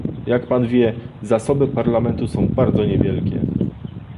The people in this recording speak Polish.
Jak pan wie, zasoby Parlamentu są bardzo niewielkie